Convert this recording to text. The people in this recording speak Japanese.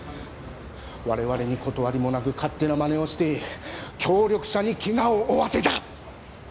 我々に断りもなく勝手なマネをして協力者にケガを負わせた！